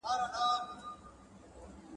د پيغمبر وينا زموږ لپاره قانون دی.